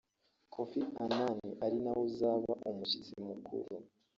Koffi Annan ari nawe uzaba ari Umushyitsi Mukuru